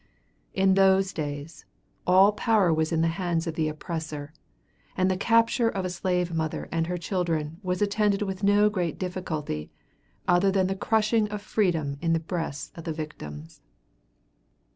In those days all power was in the hands of the oppressor, and the capture of a slave mother and her children was attended with no great difficulty other than the crushing of freedom in the breast of the victims.